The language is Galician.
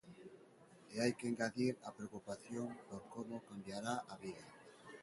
E hai que engadir a preocupación por como cambiará a vida.